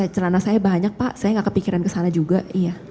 celana saya banyak pak saya gak kepikiran kesana juga iya